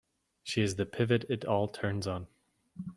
She is the pivot it all turns on.